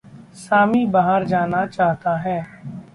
सामी बाहर जाना चाहता है।